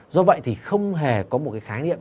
do vậy thì không hề có một cái khái niệm